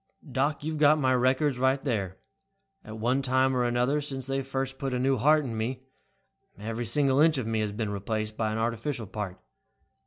"Doc, you've got my records there. At one time or another, since they first put a new heart in me, every single inch of me has been replaced by an artificial part.